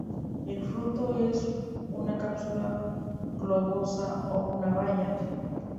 El fruto es una cápsula globosa o una baya.